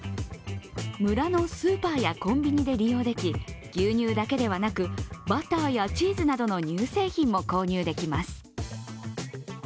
村のスーパーやコンビニで利用でき、牛乳だけでなくバターやチーズなどの乳製品も購入できます。